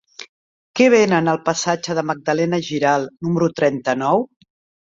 Què venen al passatge de Magdalena Giralt número trenta-nou?